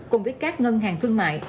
cùng với các ngân hàng thương mại